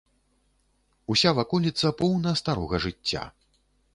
Уся ваколіца поўна старога жыцця.